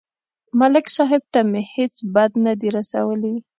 ملک صاحب ته مې هېڅ بد نه دي رسولي